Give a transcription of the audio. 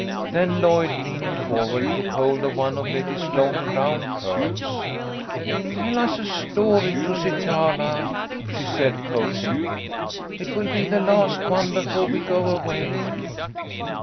Then Lloyd, lean ing forward, took hold of one of Betty's long brown curls. "Tell us a story, Tusitala," she said, coaxingly. " It will be the last one before we go away."